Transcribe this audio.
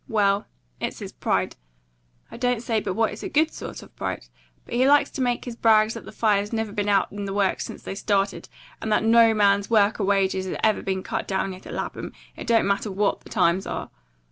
Well, it's his pride. I don't say but what it's a good sort of pride, but he likes to make his brags that the fire's never been out in the works since they started, and that no man's work or wages has ever been cut down yet at Lapham, it don't matter WHAT the times are.